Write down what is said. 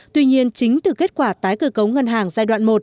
tuy nhiên chính từ kết quả tái cơ cấu ngân hàng giai đoạn một